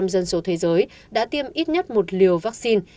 năm mươi năm ba dân số thế giới đã tiêm ít nhất một liều vaccine